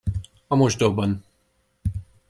A mosdóban.